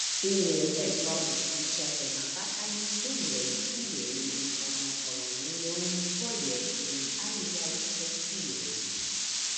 Ili reproduktiĝas en apartaj insuloj kie ili formas koloniojn foje kun aliaj specioj.